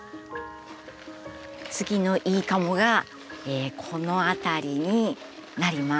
次の「いいかも！」がこの辺りになります。